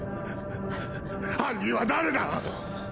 犯人は誰だ？